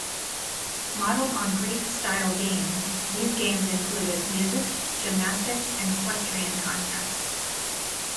Modeled on Greek style games, these games included "music" "gymnastic" and "questrian" contents.